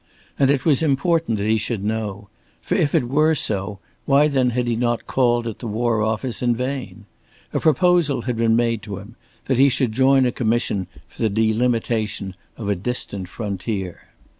And it was important that he should know. For if it were so, why then he had not called at the War Office in vain. A proposal had been made to him that he should join a commission for the delimitation of a distant frontier.